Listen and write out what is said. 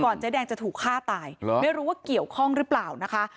เจ๊แดงจะถูกฆ่าตายไม่รู้ว่าเกี่ยวข้องหรือเปล่านะคะ